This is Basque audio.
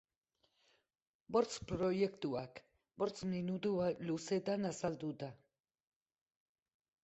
Bost proiektuak, bost minutu luzetan azalduta.